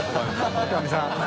女将さん。